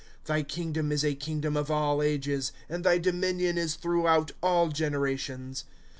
'^ Thy kingdom is a kingdom of all ages, And thy dominion is throughout all generations.